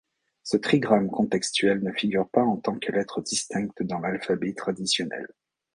Ce trigramme contextuel ne figure pas en tant que lettre distincte dans l’alphabet traditionnel.